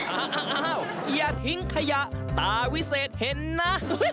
อ้าวอย่าทิ้งขยะตาวิเศษเห็นนะ